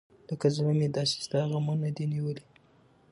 لکه زړه مې داسې ستا غمونه دى نیولي .